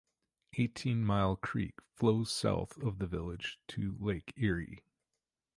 Eighteen Mile Creek flows south of the village to Lake Erie.